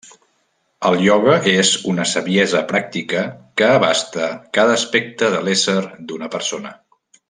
El ioga és una saviesa pràctica que abasta cada aspecte de l'ésser d'una persona.